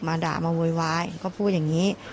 ด่ามาโวยวายก็พูดอย่างนี้